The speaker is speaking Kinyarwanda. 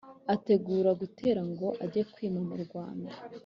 ategura gutera ngo ajye kwima mu Rwanda.